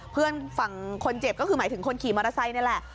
เพื่อนฝั่งคนเจ็บก็คือหมายถึงคนขี่มอเตอร์ไซค์นี่แหละ